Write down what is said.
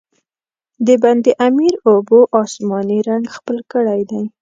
د بند امیر اوبو، آسماني رنګ خپل کړی دی.